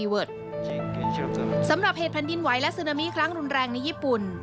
เพศพันธุ์ดินไหวและซึนามีครั้งรุนแรงในญี่ปุ่น